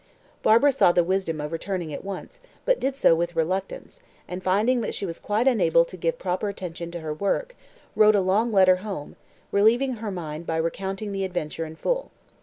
Barbara saw the wisdom of returning at once, but did so with reluctance, and, finding that she was quite unable to give proper attention to her work, wrote a long letter home, relieving her mind by recounting the adventure in full.